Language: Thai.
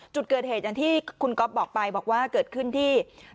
จุดเกิดเหตุอันที่คุณก๊อบบอกบอกว่าเกิดขึ้นที่